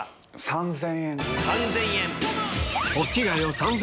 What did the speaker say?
３０００円。